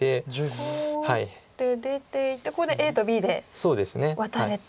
こう打って出ていってここでＡとＢでワタれて。